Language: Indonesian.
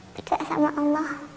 berdoa sama allah